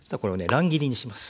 乱切りにします。